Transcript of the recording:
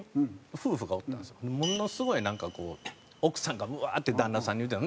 ものすごいなんかこう奥さんがブワーッて旦那さんに言うてんの。